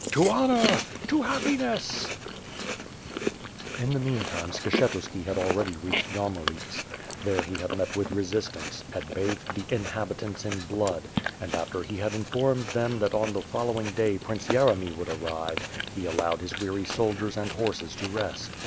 "To honor! To happiness ^ In the meantime Skshetuski had already reached Yarmo liets. There he had met with resistance, had bathed the in habitants in blood; and, after he had informed them that on the following day Prince Yeremy would arrive, he allowed his weary soldiers and horses to rest.